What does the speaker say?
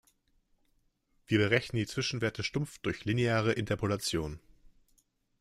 Wir berechnen die Zwischenwerte stumpf durch lineare Interpolation.